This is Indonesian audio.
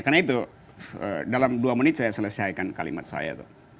karena itu dalam dua menit saya selesaikan kalimat saya